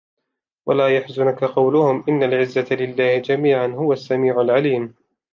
وَلَا يَحْزُنْكَ قَوْلُهُمْ إِنَّ الْعِزَّةَ لِلَّهِ جَمِيعًا هُوَ السَّمِيعُ الْعَلِيمُ